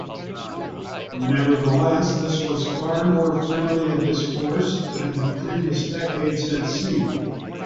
Nevertheless, this was far more friendly a discourse than previous decades had seen.